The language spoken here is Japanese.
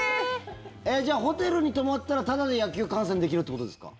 じゃあホテルに泊まったらタダで野球観戦できるってことですか？